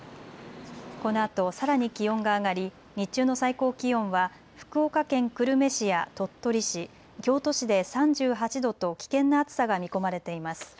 このあとさらに気温が上がり日中の最高気温は福岡県久留米市や鳥取市、京都市で３８度と危険な暑さが見込まれています。